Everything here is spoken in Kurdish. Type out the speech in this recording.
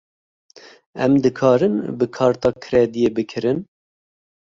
Em dikarin bi karta krediyê bikirin?